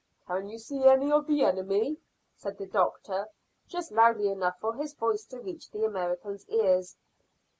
"Can you see any of the enemy?" said the doctor, just loudly enough for his voice to reach the American's ears.